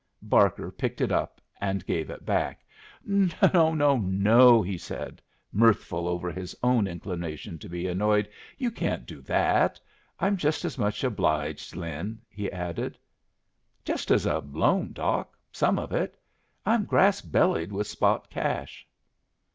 Barker picked it up and gave it back. "No, no, no!" he said, mirthful over his own inclination to be annoyed; "you can't do that. I'm just as much obliged, Lin," he added. "Just as a loan, Doc some of it. I'm grass bellied with spot cash."